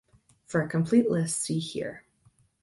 For a complete list see here.